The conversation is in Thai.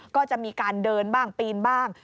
ก็จะมีการเดินบ้างปีนบ้าง